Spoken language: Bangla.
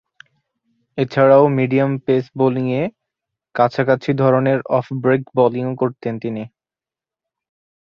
এছাড়াও, মিডিয়াম পেস বোলিংয়ের কাছাকাছি ধরনের অফ ব্রেক বোলিং করতেন তিনি।